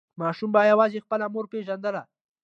ماشوم به یوازې خپله مور پیژندل.